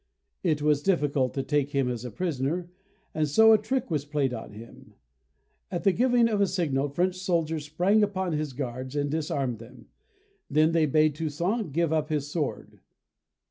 It was difficult to take him as a prisoner and so a trick was played on him. At the giving of a signal, French soldiers sprang upon his guards and disarmed them. Then they bade Toussaint give up his sword.